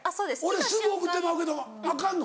俺すぐ送ってまうけどアカンの？